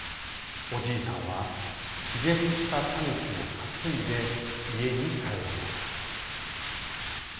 おじいさんはきぜつしたタヌキをかついでいえにかえりました。